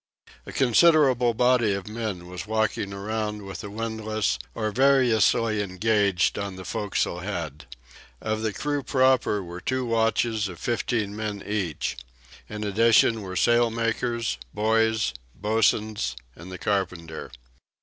A considerable body of men was walking around with the windlass or variously engaged on the forecastle head. Of the crew proper were two watches of fifteen men each. In addition were sailmakers, boys, bosuns, and the carpenter.